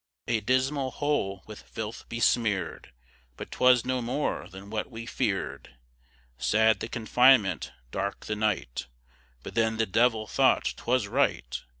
A dismal hole with filth besmear'd, But 'twas no more than what we fear'd; Sad the confinement, dark the night, But then the devil thought 'twas right.